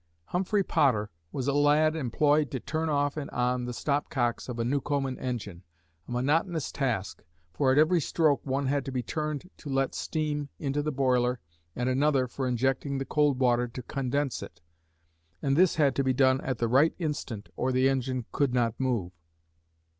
Humphrey Potter was a lad employed to turn off and on the stop cocks of a Newcomen engine, a monotonous task, for, at every stroke one had to be turned to let steam into the boiler and another for injecting the cold water to condense it, and this had to be done at the right instant or the engine could not move.